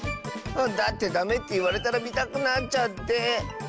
だってダメっていわれたらみたくなっちゃって。ね。